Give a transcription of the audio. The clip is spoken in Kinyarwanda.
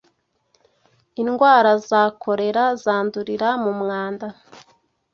indwara za kolera zandurira mumwanda